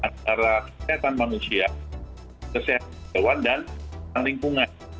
antara kesehatan manusia kesehatan hewan dan lingkungan